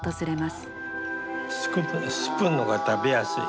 スプーンのほうが食べやすい？